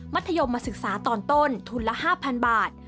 ธยมมาศึกษาตอนต้นทุนละ๕๐๐บาท